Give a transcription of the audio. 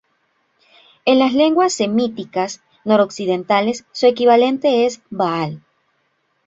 En las lenguas semíticas noroccidentales su equivalente es Ba'al.